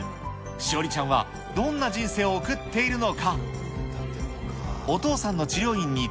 志織ちゃんはどんな人生を送っているのか。